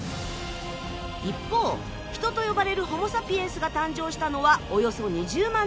一方人と呼ばれるホモサピエンスが誕生したのはおよそ２０万年前。